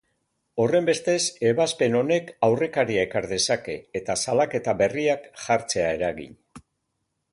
Horrenbestez, ebazpen honek aurrekaria ezar dezake eta salaketa berriak jartzea eragin.